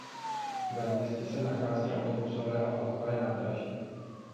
Ve městě se nachází autobusové a vlakové nádraží.